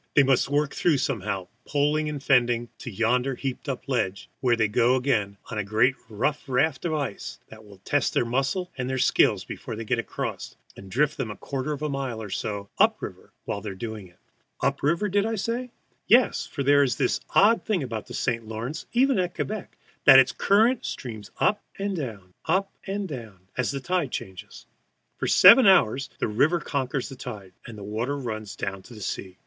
They must work through somehow, poling and fending, to yonder heaped up ledge, where up they go again on a great rough raft of ice that will test their muscles and their skill before they get across, and drift them a quarter of a mile or so up stream while they are doing it. Up stream, did I say? Yes, for there is this odd thing about the St. Lawrence, even at Quebec, that its current streams up and down, up and down, as the tide changes. For seven hours the river conquers the tide, and the water runs down to sea.